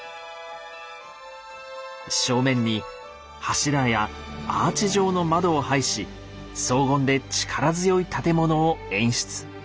正面に柱やアーチ状の窓を配し荘厳で力強い建物を演出。